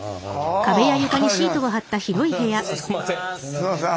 すいません。